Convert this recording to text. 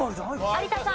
有田さん